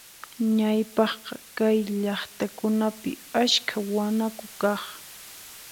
Ñawpaqqa kay llaqtakunapi askha wanaku kaq.